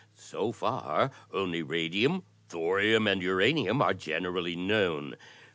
So far only raditun, thoritun, and uranium are generally known.